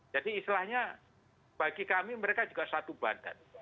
istilahnya bagi kami mereka juga satu badan